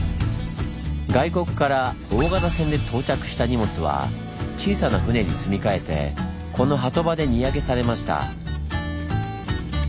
外国から大型船で到着した荷物は小さな船に積み替えてこの波止場で荷揚げされました。